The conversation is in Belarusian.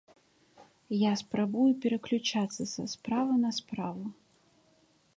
Я спрабую пераключацца са справы на справу.